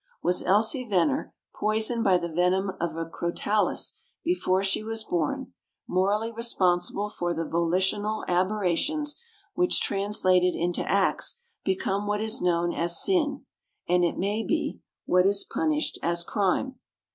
Was Elsie Venner, poisoned by the venom of a crotalus before she was born, morally responsible for the "volitional" aberrations, which translated into acts become what is known as sin, and, it may be, what is punished as crime?